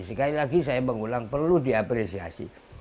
sekali lagi saya mengulang perlu diapresiasi